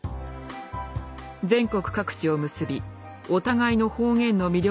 全国各地を結びお互いの方言の魅力を語り合う。